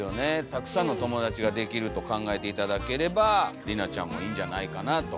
たくさんの友達ができると考えて頂ければりなちゃんもいいんじゃないかなと。